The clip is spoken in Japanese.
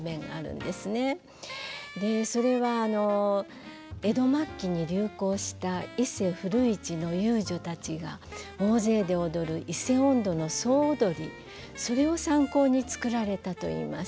それは江戸末期に流行した伊勢古市の遊女たちが大勢で踊る「伊勢音頭」の総踊りそれを参考に作られたといいます。